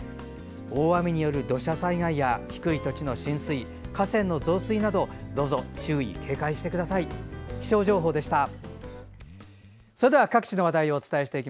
大雨による土砂災害や低い土地の浸水河川の増水などどうぞ注意・警戒してください。